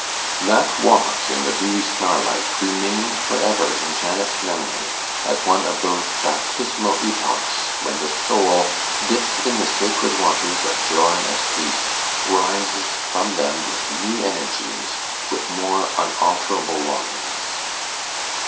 That walk in the dewy starlight remained for ever in Janet's memory as one of those baptismal epochs, when the soul, dipped in the sacred waters of joy and peace, rises from them with new energies, with more unalterable longings.